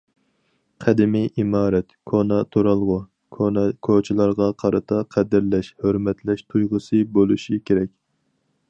قەدىمىي ئىمارەت، كونا تۇرالغۇ، كونا كوچىلارغا قارىتا قەدىرلەش، ھۆرمەتلەش تۇيغۇسى بولۇشى كېرەك.